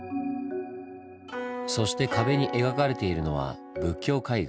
そして壁に描かれているのは仏教絵画。